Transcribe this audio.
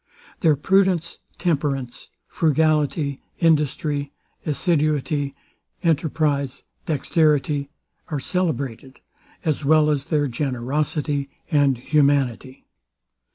Their prudence, temperance, frugality, industry, assiduity, enterprize, dexterity, are celebrated, as well as their generosity and humanity.